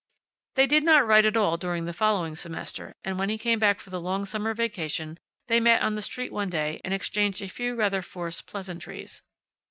They did not write at all during the following semester, and when he came back for the long summer vacation they met on the street one day and exchanged a few rather forced pleasantries.